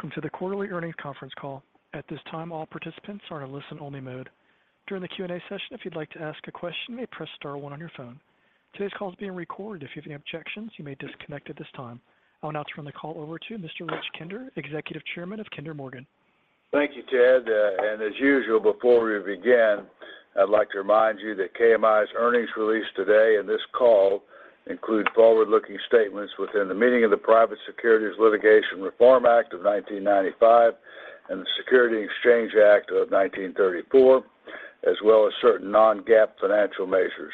Welcome to the Quarterly Earnings Conference Call. At this time, all participants are in a listen-only mode. During the Q&A session, if you'd like to ask a question, you may press star one on your phone. Today's call is being recorded. If you have any objections, you may disconnect at this time. I'll now turn the call over to Mr. Rich Kinder, Executive Chairman of Kinder Morgan. Thank you, Ted. As usual, before we begin, I'd like to remind you that KMI's earnings release today and this call include forward-looking statements within the meaning of the Private Securities Litigation Reform Act of 1995 and the Securities Exchange Act of 1934, as well as certain non-GAAP financial measures.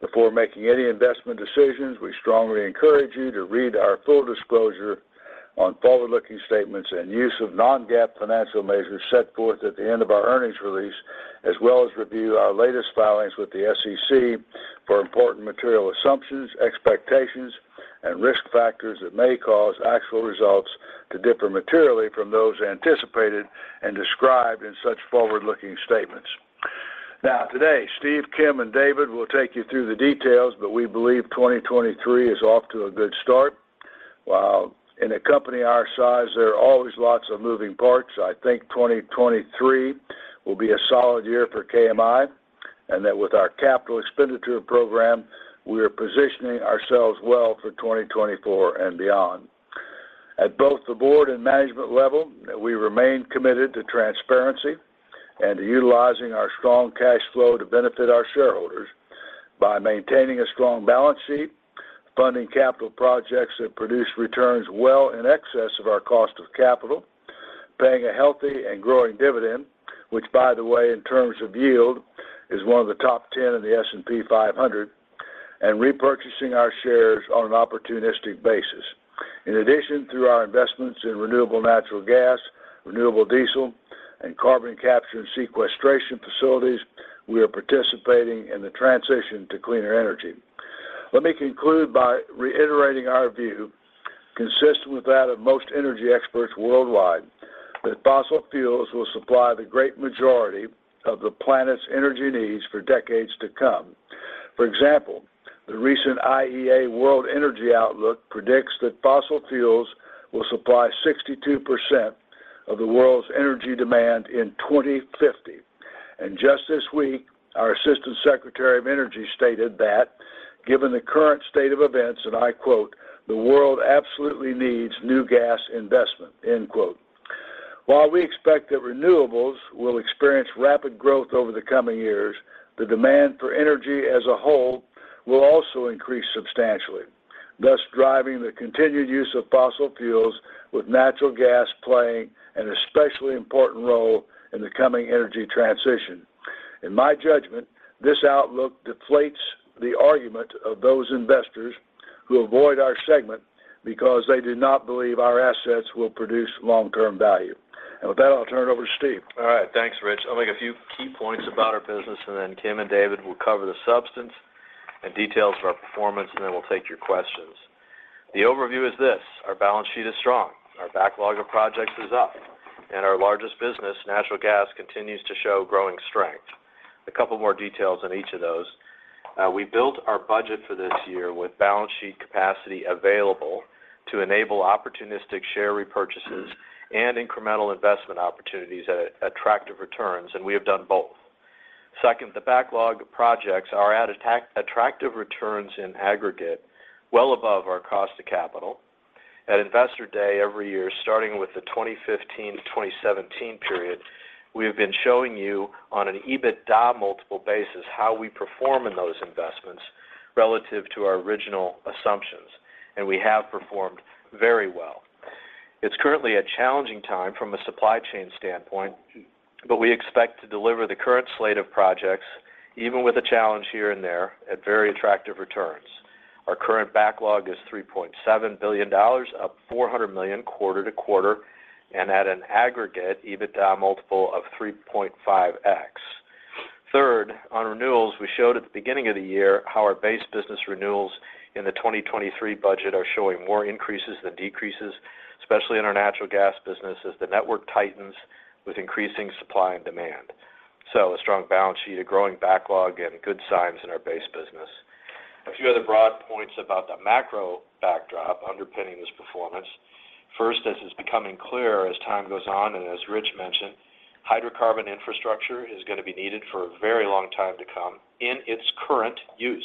Before making any investment decisions, we strongly encourage you to read our full disclosure on forward-looking statements and use of non-GAAP financial measures set forth at the end of our earnings release, as well as review our latest filings with the SEC for important material assumptions, expectations, and risk factors that may cause actual results to differ materially from those anticipated and described in such forward-looking statements. Today, Steve, Kim, and David will take you through the details, but we believe 2023 is off to a good start. While in a company our size, there are always lots of moving parts. I think 2023 will be a solid year for KMI, and that with our capital expenditure program, we are positioning ourselves well for 2024 and beyond. At both the board and management level, we remain committed to transparency and to utilizing our strong cash flow to benefit our shareholders by maintaining a strong balance sheet, funding capital projects that produce returns well in excess of our cost of capital, paying a healthy and growing dividend, which by the way, in terms of yield, is one of the top 10 in the S&P 500, and repurchasing our shares on an opportunistic basis. In addition, through our investments in renewable natural gas, renewable diesel, and carbon capture and sequestration facilities, we are participating in the transition to cleaner energy. Let me conclude by reiterating our view, consistent with that of most energy experts worldwide, that fossil fuels will supply the great majority of the planet's energy needs for decades to come. For example, the recent IEA World Energy Outlook predicts that fossil fuels will supply 62% of the world's energy demand in 2050. Just this week, our Assistant Secretary of Energy stated that given the current state of events, and I quote, "The world absolutely needs new gas investment." End quote. While we expect that renewables will experience rapid growth over the coming years, the demand for energy as a whole will also increase substantially, thus driving the continued use of fossil fuels with natural gas playing an especially important role in the coming energy transition. In my judgment, this outlook deflates the argument of those investors who avoid our segment because they do not believe our assets will produce long-term value. With that, I'll turn it over to Steve. All right. Thanks, Rich. I'll make a few key points about our business, and then Kim and David will cover the substance and details of our performance, and then we'll take your questions. The overview is this: Our balance sheet is strong, our backlog of projects is up, and our largest business, natural gas, continues to show growing strength. A couple more details on each of those. We built our budget for this year with balance sheet capacity available to enable opportunistic share repurchases and incremental investment opportunities at attractive returns, and we have done both. Second, the backlog of projects are at attractive returns in aggregate, well above our cost of capital. At Investor Day every year, starting with the 2015 to 2017 period, we have been showing you on an EBITDA multiple basis how we perform in those investments relative to our original assumptions. We have performed very well. It's currently a challenging time from a supply chain standpoint. We expect to deliver the current slate of projects, even with a challenge here and there, at very attractive returns. Our current backlog is $3.7 billion, up $400 million quarter-to-quarter and at an aggregate EBITDA multiple of 3.5x. Third, on renewals, we showed at the beginning of the year how our base business renewals in the 2023 budget are showing more increases than decreases, especially in our natural gas business as the network tightens with increasing supply and demand. A strong balance sheet, a growing backlog, and good signs in our base business. A few other broad points about the macro backdrop underpinning this performance. First, as is becoming clearer as time goes on, and as Rich mentioned, hydrocarbon infrastructure is gonna be needed for a very long time to come in its current use.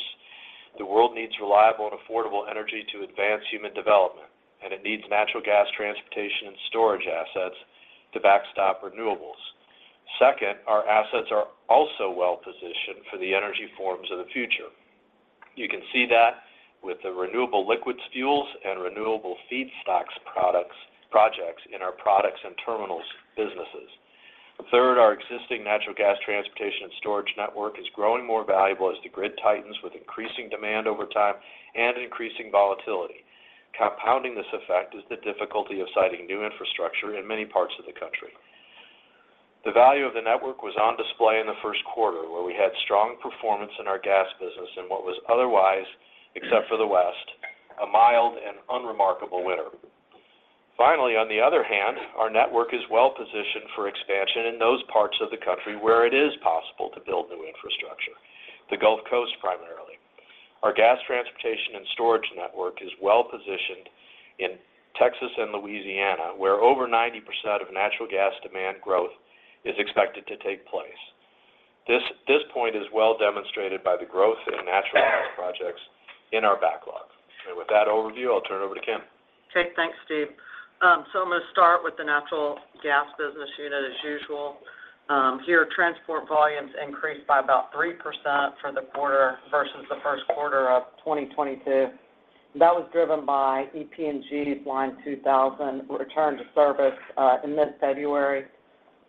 The world needs reliable and affordable energy to advance human development, and it needs natural gas transportation and storage assets to backstop renewables. Second, our assets are also well-positioned for the energy forms of the future. You can see that with the renewable liquids fuels and renewable feedstocks projects in our products and terminals businesses. Third, our existing natural gas transportation and storage network is growing more valuable as the grid tightens with increasing demand over time and increasing volatility. Compounding this effect is the difficulty of siting new infrastructure in many parts of the country. The value of the network was on display in the first quarter, where we had strong performance in our gas business in what was otherwise, except for the West, a mild and unremarkable winter. On the other hand, our network is well-positioned for expansion in those parts of the country where it is possible to build new infrastructure, the Gulf Coast, primarily. Our gas transportation and storage network is well-positioned in Texas and Louisiana, where over 90% of natural gas demand growth is expected to take place. This point is well demonstrated by the growth in natural gas projects in our backlog. With that overview, I'll turn it over to Kim. Okay, thanks Steve. I'm gonna start with the natural gas business unit as usual. Here transport volumes increased by about 3% for the quarter versus the first quarter of 2022. That was driven by EPNG's Line 2000 return to service in mid-February.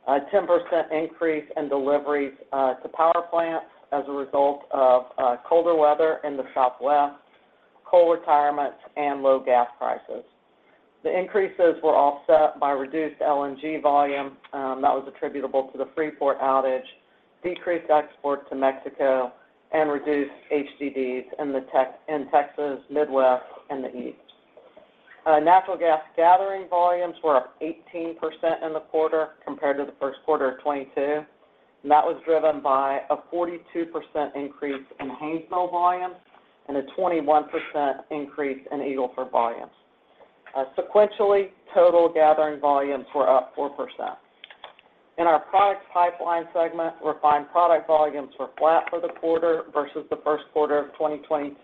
A 10% increase in deliveries to power plants as a result of colder weather in the Southwest, coal retirements, and low gas prices. The increases were offset by reduced LNG volume that was attributable to the Freeport outage, decreased exports to Mexico, and reduced HDDs in Texas, Midwest, and the East. Natural gas gathering volumes were up 18% in the quarter compared to the first quarter of 2022. That was driven by a 42% increase in Haynesville volumes and a 21% increase in Eagle Ford volumes. Sequentially, total gathering volumes were up 4%. In our products pipeline segment, refined product volumes were flat for the quarter versus the first quarter of 2022.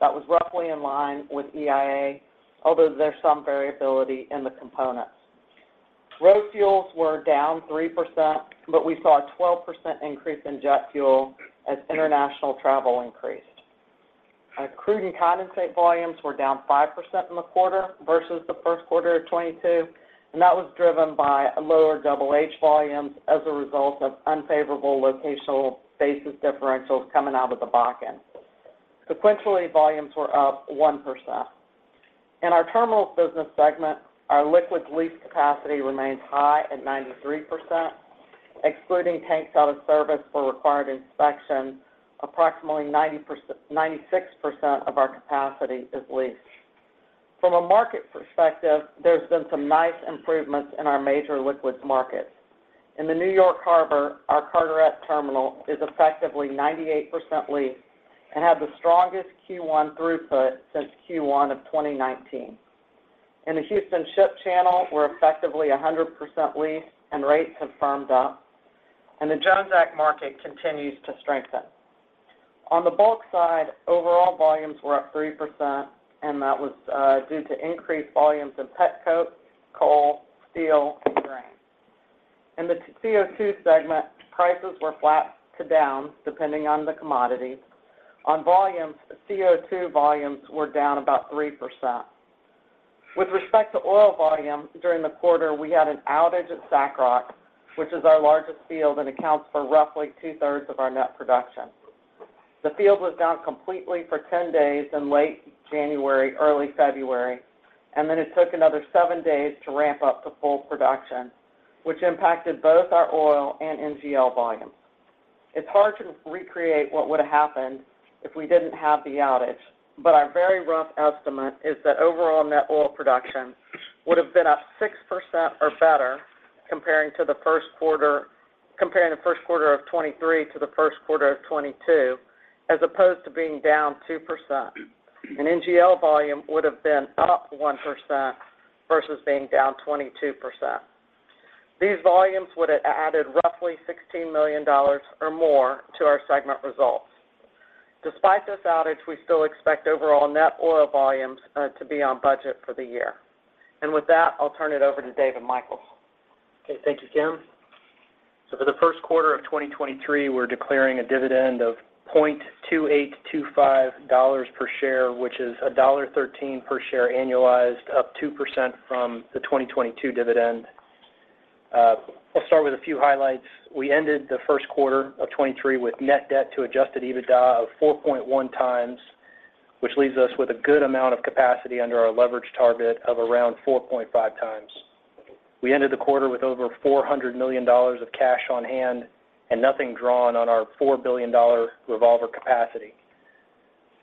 That was roughly in line with EIA, although there's some variability in the components. Road fuels were down 3%, but we saw a 12% increase in jet fuel as international travel increased. Our crude and condensate volumes were down 5% in the quarter versus the first quarter of 2022, and that was driven by lower Double H volumes as a result of unfavorable locational basis differentials coming out of the back end. Sequentially, volumes were up 1%. In our terminals business segment, our liquids lease capacity remains high at 93%. Excluding tanks out of service for required inspections, approximately 96% of our capacity is leased. From a market perspective, there's been some nice improvements in our major liquids markets. In the New York Harbor, our Carteret terminal is effectively 98% leased and had the strongest Q1 throughput since Q1 of 2019. In the Houston Ship Channel, we're effectively 100% leased and rates have firmed up. The Jones Act market continues to strengthen. On the bulk side, overall volumes were up 3%, and that was due to increased volumes in petcoke, coal, steel, and grain. In the CO2 segment, prices were flat to down, depending on the commodity. On volumes, CO2 volumes were down about 3%. With respect to oil volume, during the quarter, we had an outage at Sacroc, which is our largest field and accounts for roughly two-thirds of our net production. The field was down completely for 10 days in late January, early February, and then it took another 7 days to ramp up to full production, which impacted both our oil and NGL volumes. It's hard to recreate what would have happened if we didn't have the outage, but our very rough estimate is that overall net oil production would have been up 6% or better comparing the first quarter of 2023 to the first quarter of 2022, as opposed to being down 2%. NGL volume would have been up 1% versus being down 22%. These volumes would have added roughly $16 million or more to our segment results. Despite this outage, we still expect overall net oil volumes to be on budget for the year. With that, I'll turn it over to Dave and Michael. Thank you, Kim. For the first quarter of 2023, we're declaring a dividend of $0.2825 per share, which is $1.13 per share annualized, up 2% from the 2022 dividend. I'll start with a few highlights. We ended the first quarter of 2023 with net debt to adjusted EBITDA of 4.1 times, which leaves us with a good amount of capacity under our leverage target of around 4.5 times. We ended the quarter with over $400 million of cash on hand and nothing drawn on our $4 billion revolver capacity.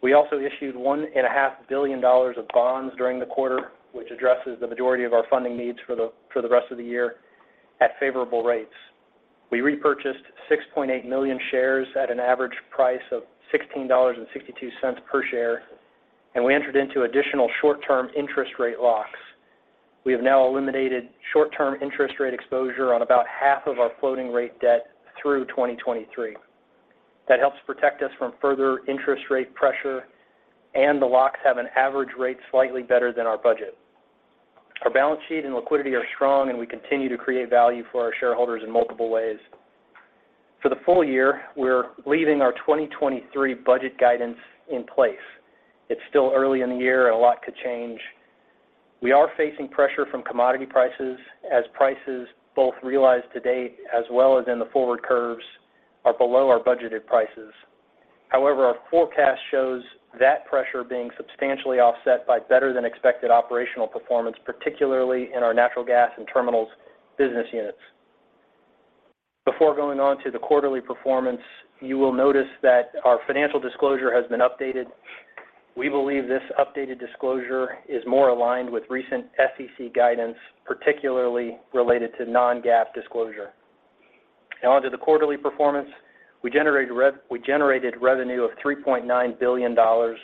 We also issued $1.5 billion of bonds during the quarter, which addresses the majority of our funding needs for the rest of the year at favorable rates. We repurchased 6.8 million shares at an average price of $16.62 per share. We entered into additional short-term interest rate locks. We have now eliminated short-term interest rate exposure on about half of our floating rate debt through 2023. That helps protect us from further interest rate pressure. The locks have an average rate slightly better than our budget. Our balance sheet and liquidity are strong. We continue to create value for our shareholders in multiple ways. For the full year, we're leaving our 2023 budget guidance in place. It's still early in the year. A lot could change. We are facing pressure from commodity prices as prices both realized to date as well as in the forward curves are below our budgeted prices. Our forecast shows that pressure being substantially offset by better than expected operational performance, particularly in our natural gas and terminals business units. Before going on to the quarterly performance, you will notice that our financial disclosure has been updated. We believe this updated disclosure is more aligned with recent SEC guidance, particularly related to non-GAAP disclosure. On to the quarterly performance. We generated revenue of $3.9 billion,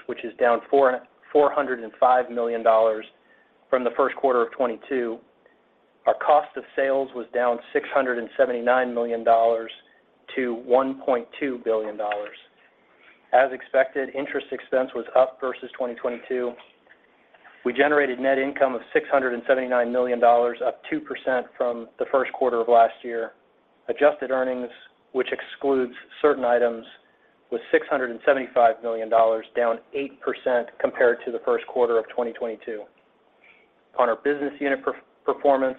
which is down $405 million from the first quarter of 2022. Our cost of sales was down $679 million to $1.2 billion. As expected, interest expense was up versus 2022. We generated net income of $679 million, up 2% from the first quarter of last year. Adjusted earnings, which excludes certain items, was $675 million, down 8% compared to the first quarter of 2022. On our business unit per-performance,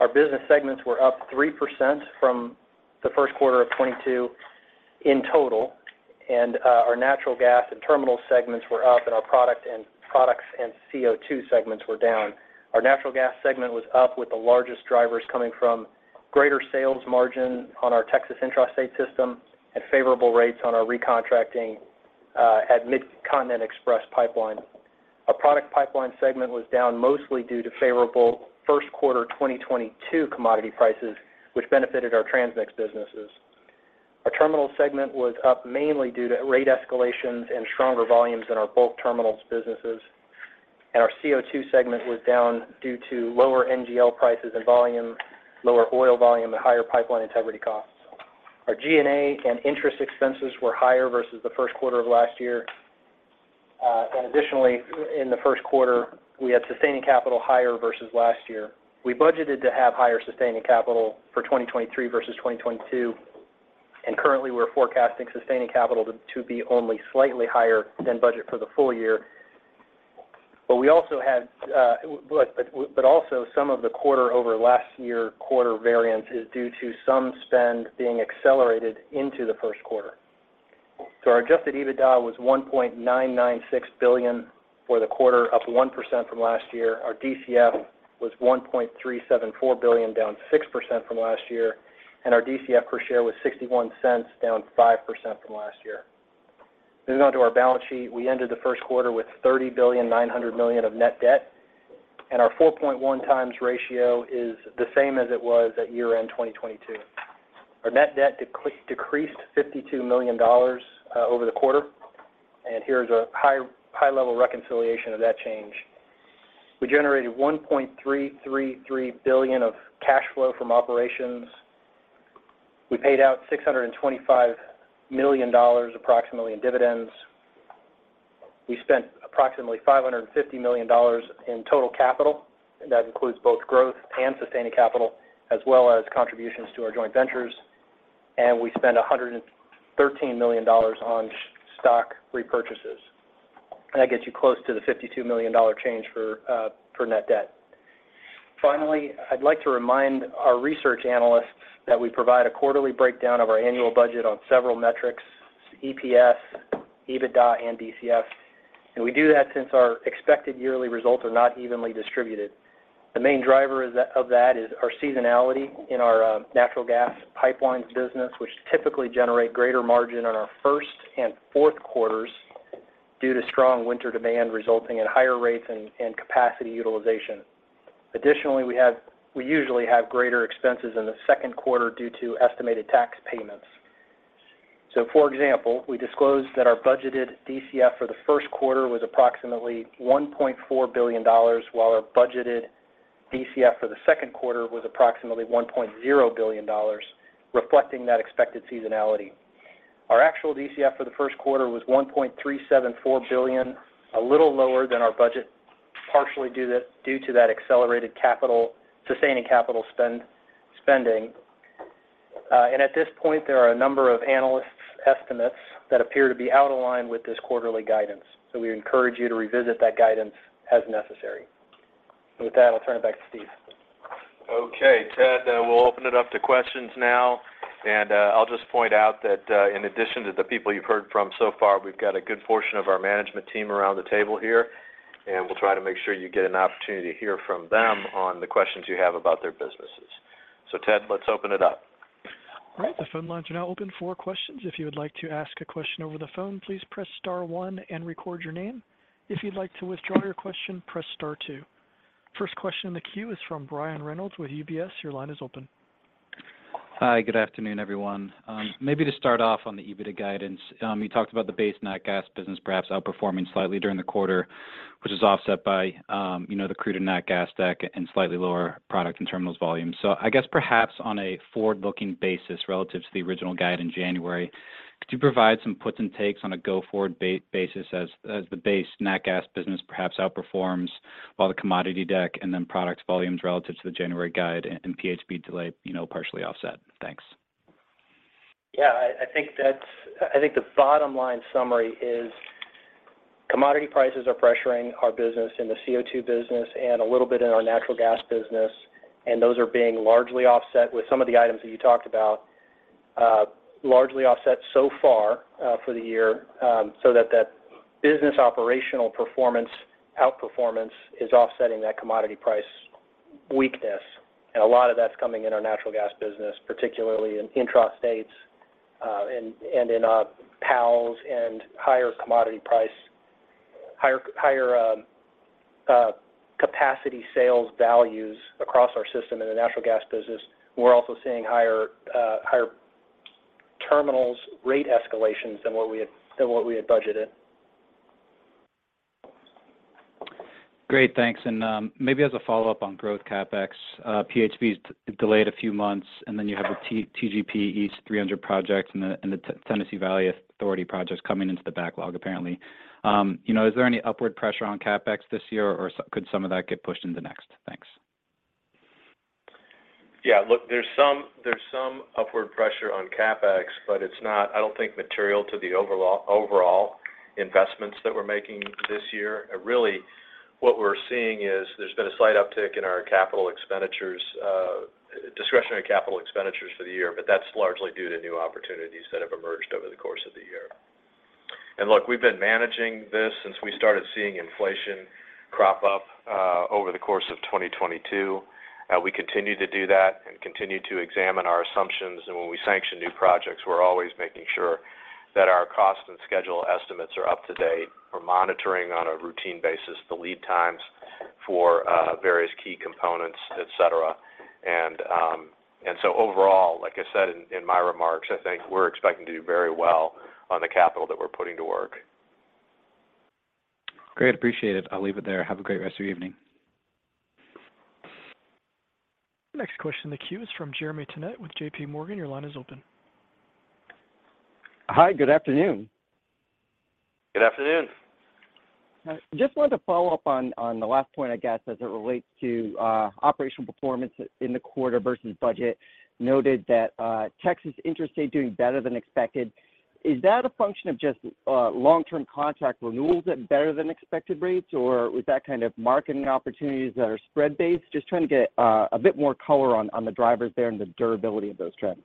our business segments were up 3% from the first quarter of 2022 in total, and our natural gas and terminal segments were up, and our products and CO₂ segments were down. Our natural gas segment was up with the largest drivers coming from greater sales margin on our Texas intrastate system and favorable rates on our recontracting at Midcontinent Express Pipeline. Our product pipeline segment was down mostly due to favorable first quarter 2022 commodity prices, which benefited our transmix businesses. Our terminal segment was up mainly due to rate escalations and stronger volumes in our bulk terminals businesses. Our CO2 segment was down due to lower NGL prices and volume, lower oil volume and higher pipeline integrity costs. Our G&A and interest expenses were higher versus the first quarter of last year. Additionally, in the first quarter, we had sustaining capital higher versus last year. We budgeted to have higher sustaining capital for 2023 versus 2022, and currently we're forecasting sustaining capital to be only slightly higher than budget for the full year. We also had, but also some of the quarter over last year quarter variance is due to some spend being accelerated into the first quarter. Our adjusted EBITDA was $1.996 billion for the quarter, up 1% from last year. Our DCF was $1.374 billion, down 6% from last year. Our DCF per share was $0.61, down 5% from last year. Moving on to our balance sheet, we ended the first quarter with $30.9 billion of net debt. Our 4.1 times ratio is the same as it was at year-end 2022. Our net debt decreased $52 million over the quarter. Here's a high-level reconciliation of that change. We generated $1.333 billion of cash flow from operations. We paid out $625 million approximately in dividends. We spent approximately $550 million in total capital, that includes both growth and sustaining capital, as well as contributions to our joint ventures. We spent $113 million on stock repurchases. That gets you close to the $52 million change for net debt. Finally, I'd like to remind our research analysts that we provide a quarterly breakdown of our annual budget on several metrics, EPS, EBITDA, and DCF. We do that since our expected yearly results are not evenly distributed. The main driver of that is our seasonality in our natural gas pipelines business, which typically generate greater margin on our first and fourth quarters due to strong winter demand resulting in higher rates and capacity utilization. Additionally, we usually have greater expenses in the second quarter due to estimated tax payments. For example, we disclosed that our budgeted DCF for the first quarter was approximately $1.4 billion, while our budgeted DCF for the second quarter was approximately $1.0 billion, reflecting that expected seasonality. Our actual DCF for the first quarter was $1.374 billion, a little lower than our budget, partially due to that accelerated capital sustaining capital spending. At this point, there are a number of analysts' estimates that appear to be out of line with this quarterly guidance. We encourage you to revisit that guidance as necessary. With that, I'll turn it back to Steve. Okay. Ted, we'll open it up to questions now. I'll just point out that, in addition to the people you've heard from so far, we've got a good portion of our management team around the table here, and we'll try to make sure you get an opportunity to hear from them on the questions you have about their businesses. Ted, let's open it up. All right. The phone lines are now open for questions. If you would like to ask a question over the phone, please press star one and record your name. If you'd like to withdraw your question, press star two. First question in the queue is from Brian Reynolds with UBS. Your line is open. Hi. Good afternoon, everyone. Maybe to start off on the EBITDA guidance. You talked about the base nat gas business perhaps outperforming slightly during the quarter, which is offset by, you know, the crude and nat gas deck and slightly lower product and terminals volume. I guess perhaps on a forward-looking basis relative to the original guide in January, could you provide some puts and takes on a go-forward basis as the base nat gas business perhaps outperforms while the commodity deck and then products volumes relative to the January guide and PHP delay, you know, partially offset? Thanks. Yeah. I think the bottom line summary is commodity prices are pressuring our business in the CO₂ business and a little bit in our natural gas business. Those are being largely offset with some of the items that you talked about, largely offset so far for the year. That business operational performance outperformance is offsetting that commodity price weakness. A lot of that's coming in our natural gas business, particularly in intrastates, and in our PALs and higher capacity sales values across our system in the natural gas business. We're also seeing higher terminals rate escalations than what we had budgeted. Great. Thanks. Maybe as a follow-up on growth CapEx, PHP's delayed a few months, and then you have the TGP East 300 project and the Tennessee Valley Authority projects coming into the backlog, apparently. You know, is there any upward pressure on CapEx this year, or could some of that get pushed into next? Thanks. Yeah. Look, there's some upward pressure on CapEx, but it's not, I don't think, material to the overall investments that we're making this year. Really what we're seeing is there's been a slight uptick in our capital expenditures, discretionary capital expenditures for the year, but that's largely due to new opportunities that have emerged over the course of the year. Look, we've been managing this since we started seeing inflation crop up over the course of 2022. We continue to do that and continue to examine our assumptions. When we sanction new projects, we're always making sure that our cost and schedule estimates are up to date. We're monitoring on a routine basis the lead times for various key components, et cetera. Overall, like I said in my remarks, I think we're expecting to do very well on the capital that we're putting to work. Great. Appreciate it. I'll leave it there. Have a great rest of your evening. Next question in the queue is from Jeremy Tonet with J.P. Morgan. Your line is open. Hi. Good afternoon. Good afternoon. Just wanted to follow up on the last point, I guess, as it relates to operational performance in the quarter versus budget. Noted that Texas Interstate doing better than expected. Is that a function of just long-term contract renewals at better than expected rates, or was that kind of marketing opportunities that are spread-based? Just trying to get a bit more color on the drivers there and the durability of those trends.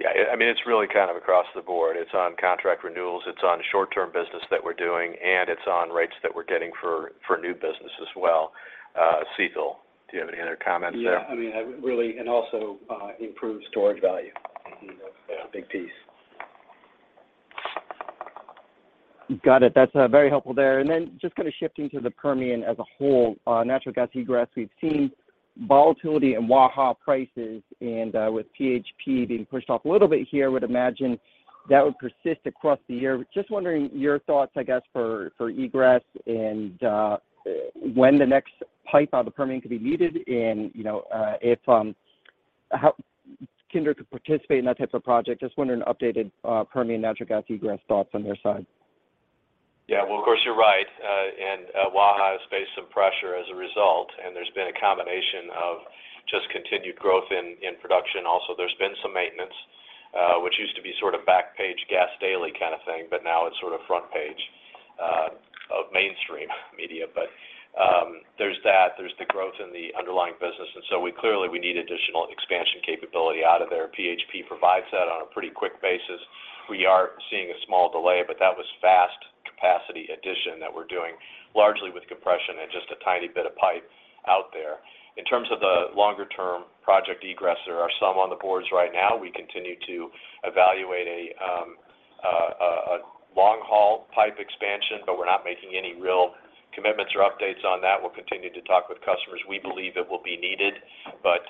I mean, it's really kind of across the board. It's on contract renewals, it's on short-term business that we're doing, and it's on rates that we're getting for new business as well. Cecil, do you have any other comments there? Yeah. I mean, I really... And also, improved storage value, you know, a big piece. Got it. That's very helpful there. Just kind of shifting to the Permian as a whole. Natural gas egress, we've seen volatility in Waha prices. With PHP being pushed off a little bit here, would imagine that would persist across the year. Just wondering your thoughts, I guess, for egress and when the next pipe out of the Permian could be needed and, you know, if how Kinder could participate in that type of project. Just wondering updated Permian natural gas egress thoughts on your side. Yeah. Well, of course you're right. Waha has faced some pressure as a result, and there's been a combination of just continued growth in production. There's been some maintenance, which used to be sort of back page Gas Daily kind of thing, but now it's sort of front page of mainstream media. There's that. There's the growth in the underlying business, we clearly need additional expansion capability out of there. PHP provides that on a pretty quick basis. We are seeing a small delay, but that was fast capacity addition that we're doing largely with compression and just a tiny bit of pipe out there. In terms of the longer term project egress, there are some on the boards right now. We continue to evaluate a long-haul pipe expansion, but we're not making any real commitments or updates on that. We'll continue to talk with customers. We believe it will be needed, but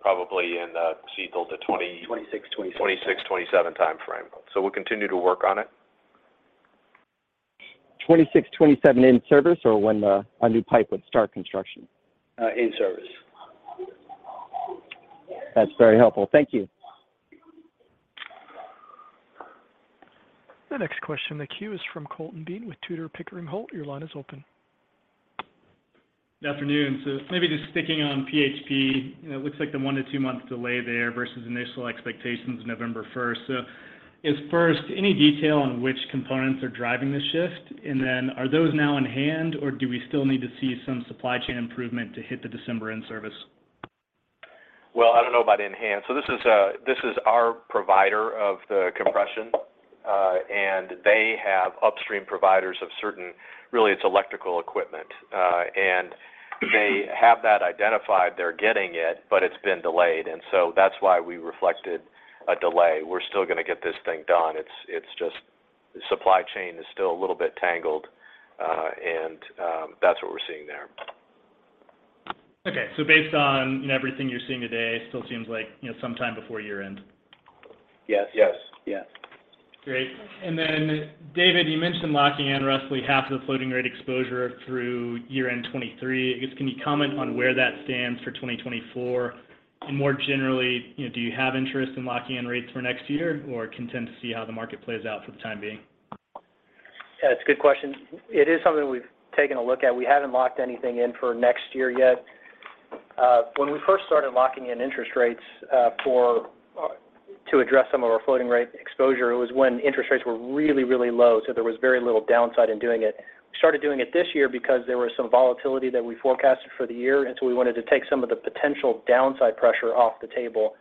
probably in Cecil. 26, 27.... 26, 27 timeframe. We'll continue to work on it. 2026, 2027 in service, or when a new pipe would start construction? in service. That's very helpful. Thank you. The next question in the queue is from Colton Bean with Tudor, Pickering Holt. Your line is open. Good afternoon. Maybe just sticking on PHP. You know, it looks like the 1 to 2 months delay there versus initial expectations November first. Is first any detail on which components are driving the shift? Then are those now in hand, or do we still need to see some supply chain improvement to hit the December in-service? I don't know about in hand. This is our provider of the compression, and they have upstream providers of certain really it's electrical equipment. They have that identified. They're getting it, but it's been delayed, and so that's why we reflected a delay. We're still gonna get this thing done. It's just supply chain is still a little bit tangled. That's what we're seeing there. Okay. Based on everything you're seeing today, it still seems like, you know, sometime before year-end? Yes. Yes. Yes. Great. Then David, you mentioned locking in roughly half of the floating rate exposure through year-end 2023. I guess, can you comment on where that stands for 2024? More generally, you know, do you have interest in locking in rates for next year, or content to see how the market plays out for the time being? Yeah, it's a good question. It is something we've taken a look at. We haven't locked anything in for next year yet. When we first started locking in interest rates, for to address some of our floating rate exposure, it was when interest rates were really, really low, so there was very little downside in doing it. We started doing it this year because there was some volatility that we forecasted for the year, and so we wanted to take some of the potential downside pressure off the table.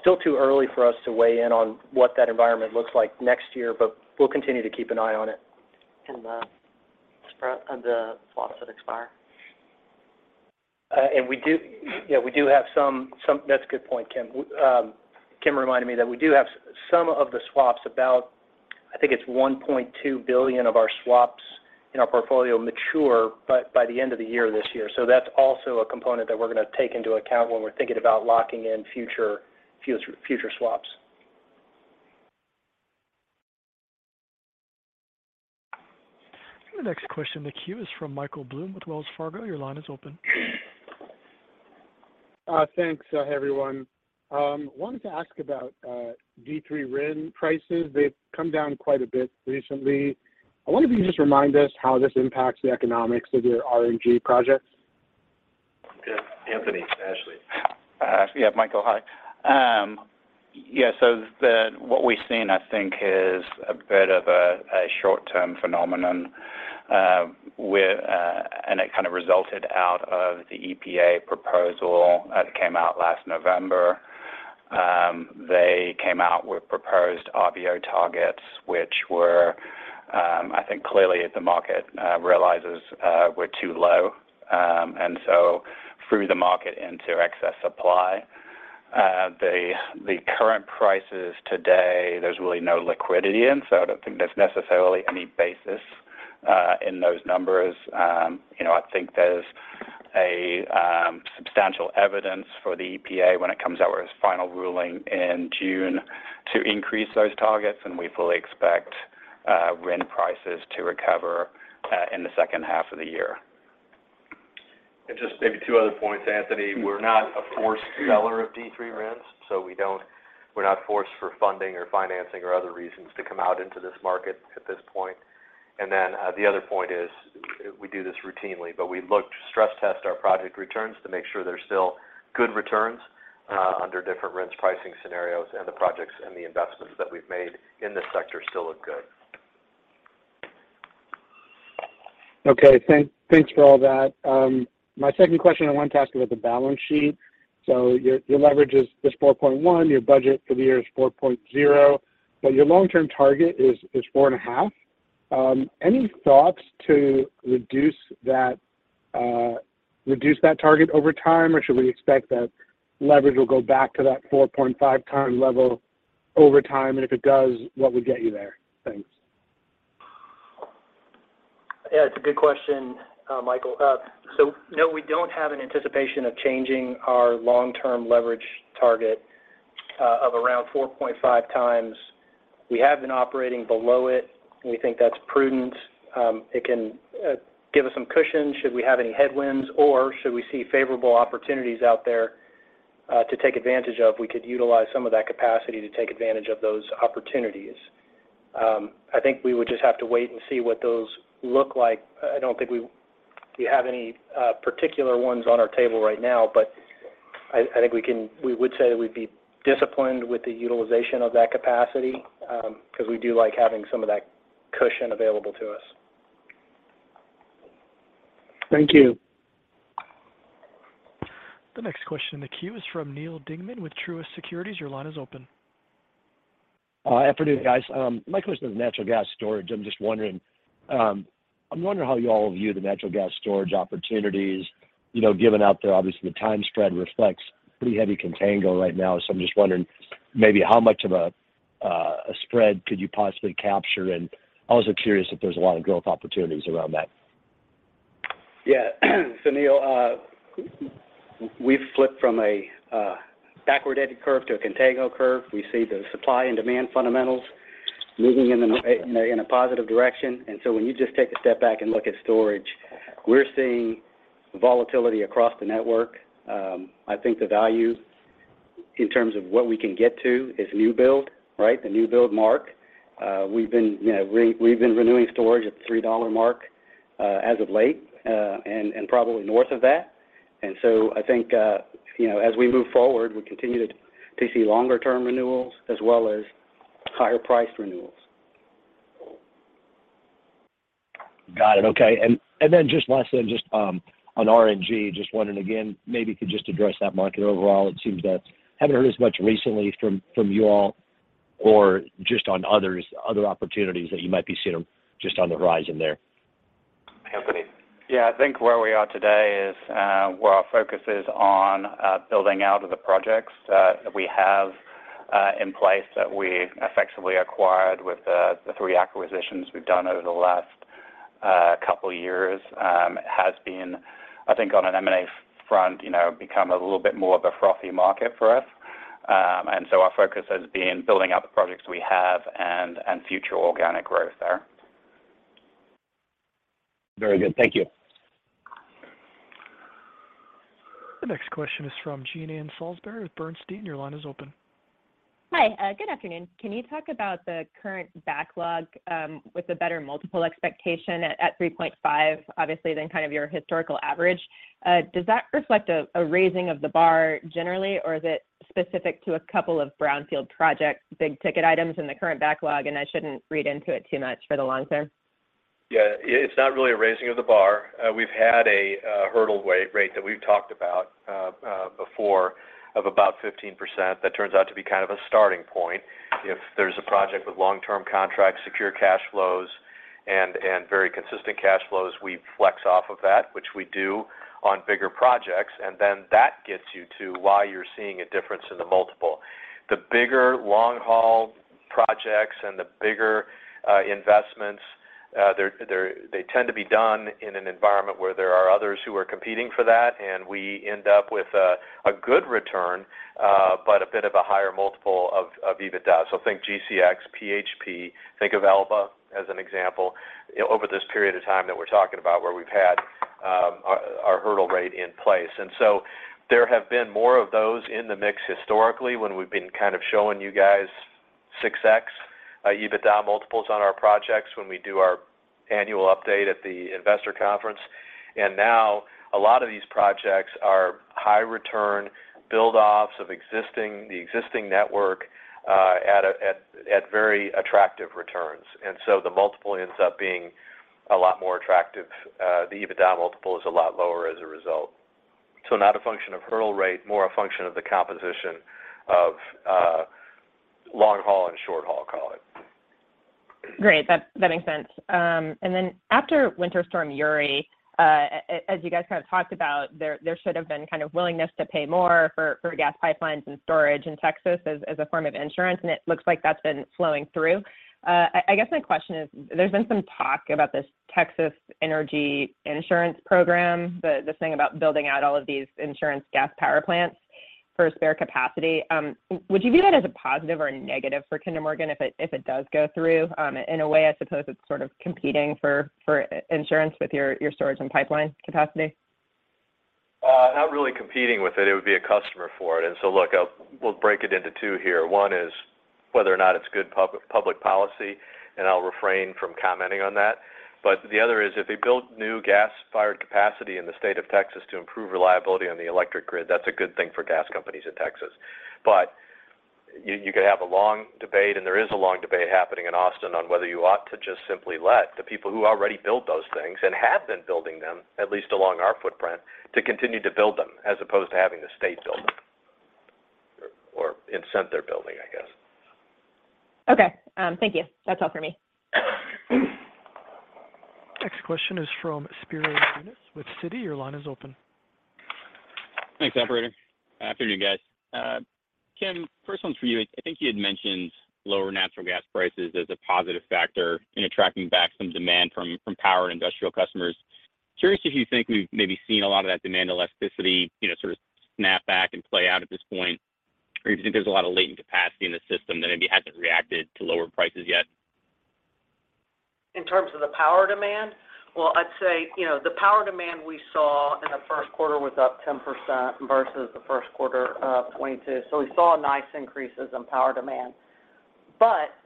Still too early for us to weigh in on what that environment looks like next year, but we'll continue to keep an eye on it. The swaps that expire? We do, yeah, we do have some. That's a good point, Kim. Kim reminded me that we do have some of the swaps about, I think it's $1.2 billion of our swaps in our portfolio mature by the end of the year this year. That's also a component that we're gonna take into account when we're thinking about locking in future swaps. The next question in the queue is from Michael Blum with Wells Fargo. Your line is open. Thanks. Hey, everyone. Wanted to ask about D3 RIN prices. They've come down quite a bit recently. I wonder if you can just remind us how this impacts the economics of your RNG projects. Yeah. Anthony Ashley. Yeah, Michael, hi. Yeah, what we've seen, I think, is a bit of a short-term phenomenon with. It kind of resulted out of the EPA proposal that came out last November. They came out with proposed RVO targets, which were, I think clearly the market realizes were too low, threw the market into excess supply. The current prices today, there's really no liquidity in, so I don't think there's necessarily any basis in those numbers. You know, I think there's substantial evidence for the EPA when it comes out with its final ruling in June to increase those targets, we fully expect RIN prices to recover in the second half of the year. Just maybe two other points, Anthony. We're not a forced seller of D3 RINs, so we're not forced for funding or financing or other reasons to come out into this market at this point. The other point is we do this routinely, but we look to stress test our project returns to make sure they're still good returns under different RINs pricing scenarios, and the projects and the investments that we've made in this sector still look good. Okay. Thanks for all that. My second question, I wanted to ask about the balance sheet. Your leverage is just 4.1. Your budget for the year is 4.0. Your long-term target is 4.5. Any thoughts to reduce that target over time, or should we expect that leverage will go back to that 4.5 times level over time? If it does, what would get you there? Thanks. Yeah, it's a good question, Michael. No, we don't have an anticipation of changing our long-term leverage target of around 4.5 times. We have been operating below it. We think that's prudent. It can give us some cushion should we have any headwinds or should we see favorable opportunities out there to take advantage of. We could utilize some of that capacity to take advantage of those opportunities. I think we would just have to wait and see what those look like. I don't think we have any particular ones on our table right now. I think we would say that we'd be disciplined with the utilization of that capacity because we do like having some of that cushion available to us. Thank you. The next question in the queue is from Neal Dingmann with Truist Securities. Your line is open. Afternoon, guys. My question is natural gas storage. I'm just wondering how you all view the natural gas storage opportunities, you know, given out there. Obviously, the time spread reflects pretty heavy contango right now. I'm just wondering maybe how much of a spread could you possibly capture? I'm also curious if there's a lot of growth opportunities around that. Yeah. Neal, we've flipped from a backward ending curve to a contango curve. We see the supply and demand fundamentals moving in a positive direction. When you just take a step back and look at storage, we're seeing volatility across the network. I think the value in terms of what we can get to is new build, right? The new build mark. We've been, you know, renewing storage at the $3 mark as of late and probably north of that. I think, you know, as we move forward, we continue to see longer term renewals as well as higher priced renewals. Got it. Okay. Then just lastly, just on RNG, just wondering again, maybe you could just address that market overall. It seems that haven't heard as much recently from you all or just on others, other opportunities that you might be seeing just on the horizon there. Anthony. Yeah. I think where we are today is, where our focus is on building out of the projects that we have in place that we effectively acquired with the 3 acquisitions we've done over the last couple years, has been, I think on an M&A front, you know, become a little bit more of a frothy market for us. Our focus has been building out the projects we have and future organic growth there. Very good. Thank you. The next question is from Jean Ann Salisbury with Bernstein. Your line is open. Hi. Good afternoon. Can you talk about the current backlog, with the better multiple expectation at 3.5, obviously, than kind of your historical average? Does that reflect a raising of the bar generally, or is it specific to a couple of brownfield projects, big ticket items in the current backlog, and I shouldn't read into it too much for the long term? Yeah. It's not really a raising of the bar. We've had a hurdle rate that we've talked about. Before of about 15%, that turns out to be kind of a starting point. If there's a project with long-term contracts, secure cash flows, and very consistent cash flows, we flex off of that, which we do on bigger projects. That gets you to why you're seeing a difference in the multiple. The bigger long-haul projects and the bigger investments, they tend to be done in an environment where there are others who are competing for that, and we end up with a good return, but a bit of a higher multiple of EBITDA. Think GCX, PHP, think of Elba as an example, you know, over this period of time that we're talking about where we've had our hurdle rate in place. There have been more of those in the mix historically when we've been kind of showing you guys 6x EBITDA multiples on our projects when we do our annual update at the investor conference. Now a lot of these projects are high return build offs of the existing network, at very attractive returns. The multiple ends up being a lot more attractive. The EBITDA multiple is a lot lower as a result. Not a function of hurdle rate, more a function of the composition of long haul and short haul call it. Great. That makes sense. After Winter Storm Uri, as you guys kind of talked about, there should have been kind of willingness to pay more for gas pipelines and storage in Texas as a form of insurance, and it looks like that's been flowing through. I guess my question is, there's been some talk about this Texas Energy Insurance Program, this thing about building out all of these insurance gas power plants for spare capacity. Would you view that as a positive or a negative for Kinder Morgan if it does go through? In a way, I suppose it's sort of competing for insurance with your storage and pipeline capacity. Not really competing with it. It would be a customer for it. Look, we'll break it into two here. One is whether or not it's good public policy, and I'll refrain from commenting on that. The other is if they build new gas-fired capacity in the state of Texas to improve reliability on the electric grid, that's a good thing for gas companies in Texas. You could have a long debate, and there is a long debate happening in Austin on whether you ought to just simply let the people who already built those things and have been building them at least along our footprint, to continue to build them as opposed to having the state build them or incent their building, I guess. Okay. Thank you. That's all for me. Next question is from Spiro Dounis with Citi. Your line is open. Thanks, operator. Afternoon, guys. Kim, first one's for you. I think you had mentioned lower natural gas prices as a positive factor in attracting back some demand from power and industrial customers. Curious if you think we've maybe seen a lot of that demand elasticity, you know, sort of snap back and play out at this point, or do you think there's a lot of latent capacity in the system that maybe hasn't reacted to lower prices yet? In terms of the power demand? Well, I'd say, you know, the power demand we saw in the first quarter was up 10% versus the first quarter of 2022. We saw nice increases in power demand.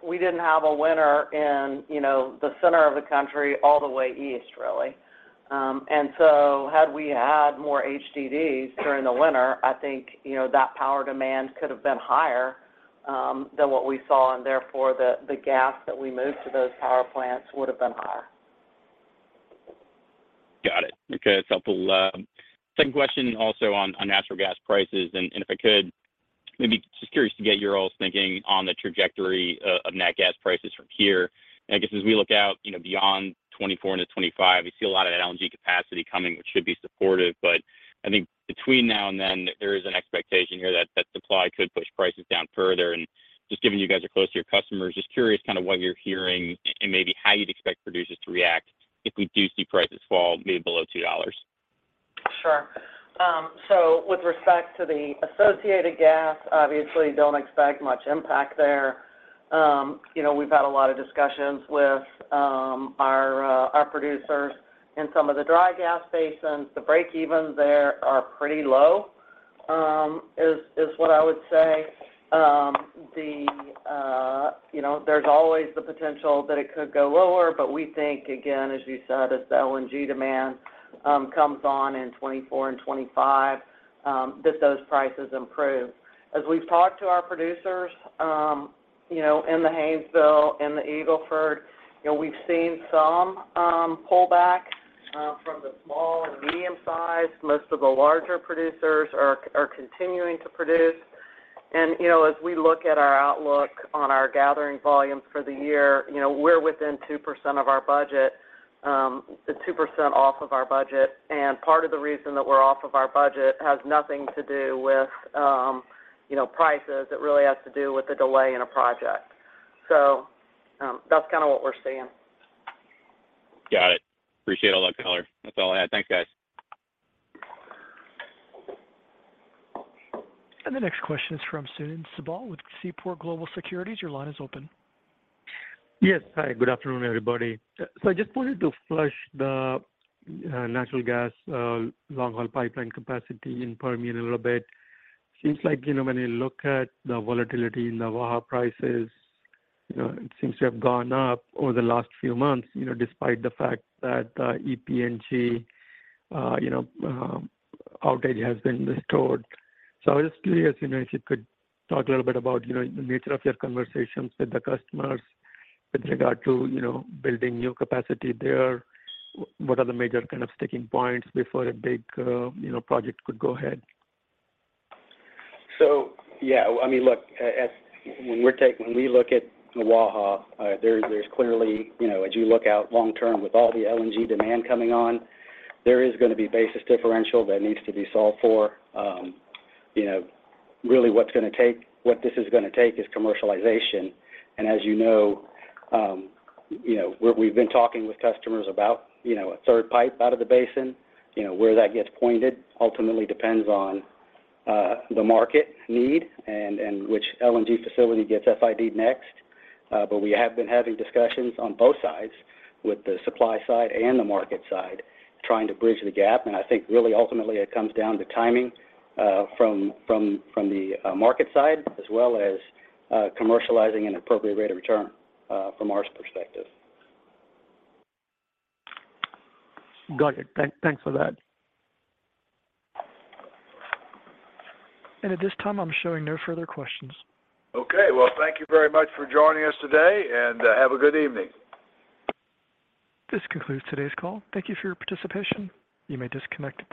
We didn't have a winter in, you know, the center of the country all the way east, really. Had we had more HDDs during the winter, I think, you know, that power demand could have been higher, than what we saw, and therefore the gas that we moved to those power plants would have been higher. Got it. Okay. That's helpful. Second question also on nat gas prices. If I could maybe just curious to get your all's thinking on the trajectory of nat gas prices from here. I guess as we look out, you know, beyond 2024 into 2025, we see a lot of that LNG capacity coming, which should be supportive. I think between now and then, there is an expectation here that that supply could push prices down further. Just given you guys are close to your customers, just curious kind of what you're hearing and maybe how you'd expect producers to react if we do see prices fall maybe below $2. Sure. With respect to the associated gas, obviously don't expect much impact there. You know, we've had a lot of discussions with our producers in some of the dry gas basins. The break-evens there are pretty low, is what I would say. The, you know, there's always the potential that it could go lower, but we think again, as you said, as the LNG demand comes on in 2024 and 2025, that those prices improve. As we've talked to our producers, you know, in the Haynesville and the Eagle Ford, you know, we've seen some pullback from the small and medium-sized. Most of the larger producers are continuing to produce. You know, as we look at our outlook on our gathering volumes for the year, you know, we're within 2% of our budget, the 2% off of our budget. Part of the reason that we're off of our budget has nothing to do with, you know, prices. It really has to do with the delay in a project. That's kinda what we're seeing. Got it. Appreciate all that color. That's all I had. Thanks, guys. The next question is from Sunil Sibal with Seaport Global Securities. Your line is open. Yes. Hi, good afternoon, everybody. I just wanted to flush the natural gas long-haul pipeline capacity in Permian a little bit. Seems like, you know, when you look at the volatility in the Waha prices, you know, it seems to have gone up over the last few months, you know, despite the fact that EPNG, you know, outage has been restored. I was just curious, you know, if you could talk a little bit about, you know, the nature of your conversations with the customers with regard to, you know, building new capacity there. What are the major kind of sticking points before a big, you know, project could go ahead? Yeah, I mean, look, when we look at Waha, there's clearly, you know, as you look out long term with all the LNG demand coming on, there is gonna be basis differential that needs to be solved for. You know, really what this is gonna take is commercialization. As you know, you know, we've been talking with customers about, you know, a third pipe out of the basin. You know, where that gets pointed ultimately depends on the market need and which LNG facility gets FID next. We have been having discussions on both sides with the supply side and the market side trying to bridge the gap. I think really ultimately it comes down to timing, from the market side as well as commercializing an appropriate rate of return, from our perspective. Got it. Thanks for that. At this time, I'm showing no further questions. Okay. Well, thank you very much for joining us today, and have a good evening. This concludes today's call. Thank you for your participation. You may disconnect at this time.